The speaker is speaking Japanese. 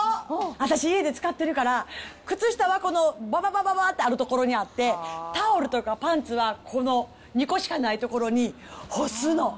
私、家で使ってるから、靴下はこのばばばばばってある所にあって、タオルとかパンツはこの２個しかない所に干すの。